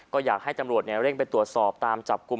ก็อยากให้ตำรวจเร่งไปตรวจสอบตามจับกลุ่ม